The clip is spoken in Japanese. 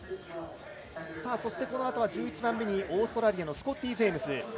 この後は１１番目にオーストラリアのスコッティ・ジェームズ。